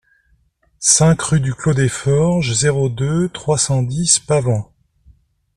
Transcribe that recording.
cinq rue du Clos des Forges, zéro deux, trois cent dix, Pavant